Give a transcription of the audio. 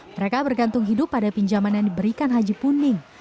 mereka bergantung hidup pada pinjaman yang diberikan haji punding